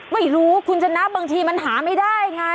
ไม่รู้คุณชนะบางทีมันหาไม่ได้ไง